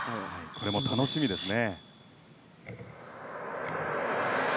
これも楽しみですね。